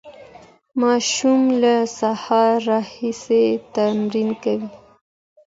ماشوم له سهاره راهیسې تمرین کوي.